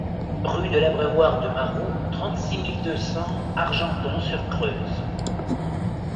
Rue de l'Abreuvoir de Maroux, trente-six mille deux cents Argenton-sur-Creuse